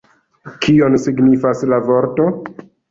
Kion signifas la vorto?